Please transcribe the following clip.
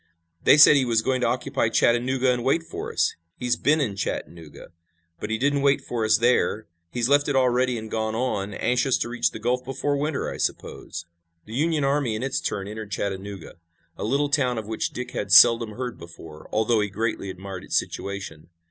"They said he was going to occupy Chattanooga and wait for us. He's been in Chattanooga, but he didn't wait for us there. He's left it already and gone on, anxious to reach the Gulf before winter, I suppose." The Union army in its turn entered Chattanooga, a little town of which Dick had seldom heard before, although he greatly admired its situation.